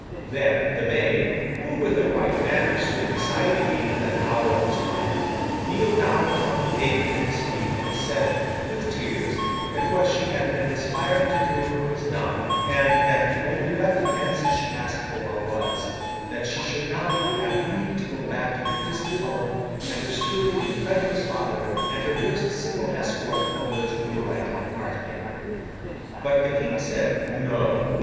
Then, the Maid, who with her white banner stood beside the King in that hour of his triumph, kneeled down upon the pavement at his feet, and said, with tears, that what she had been inspired to do, was done, and that the only recompense she asked for, was, that she should now have leave to go back to her distant home, and her sturdily incredulous father, and her first simple escort the village wheelwright and cart maker. But the King said 'No!